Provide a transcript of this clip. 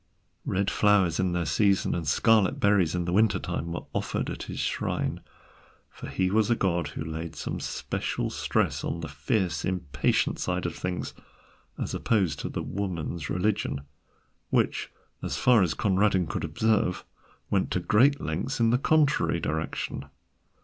Red flowers in their season and scarlet berries in the winter time were offered at his shrine, for he was a god who laid some special stress on the fierce impatient side of things, as opposed to the Woman's religion, which, as far as Conradin could observe, went to great lengths in the contrary direction.